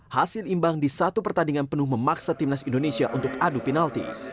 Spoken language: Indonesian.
hasil imbang di satu pertandingan penuh memaksa timnas indonesia untuk adu penalti